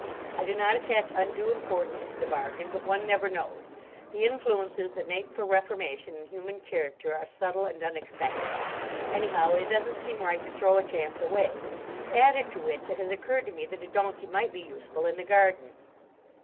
I do not attach undue importance to the bargain, but one never knows. The influences that make for reformation in human character are subtle and unexpected. Anyhow, it doesn't seem right to throw a chance away. Added to which, it has occurred to me that a donkey might be useful in the garden."